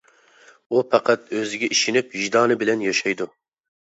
ئۇ پەقەت ئۆزىگە ئىشىنىپ ۋىجدانى بىلەن ياشايدۇ.